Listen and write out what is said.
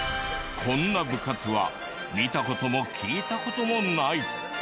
こんな部活は見た事も聞いた事もない！